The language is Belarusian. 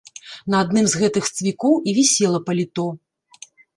На адным з гэтых цвікоў і вісела паліто.